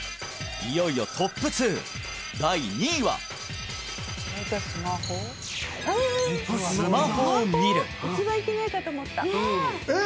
いよいよトップ２第２位はえっ！？